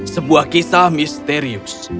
sebuah kisah misterius